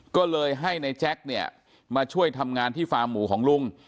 ก็เลยให้ในแจ็คเนี่ยมาช่วยทำงานที่ฟาร์มหมูของลุง